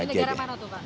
di negara mana tuh pak